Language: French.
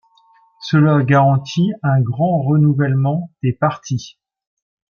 Cela garantie un grand renouvellement des parties.